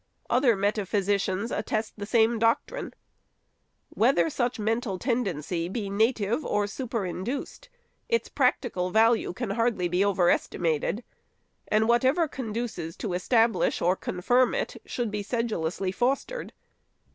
Other metaphysicians attest the same doctrine. Whether such mental tendency be native or superinduced, its practical value can hardly be overestimated ; and whatever conduces to establish or confirm it, should be sedulously fostered.